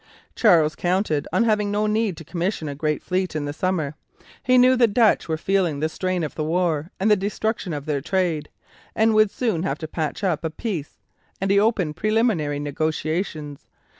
Charles counted on having no need to commission a great fleet in the summer. He knew the Dutch were feeling the strain of the war and the destruction of their trade, and would soon have to patch up a peace, and he opened preliminary negotiations.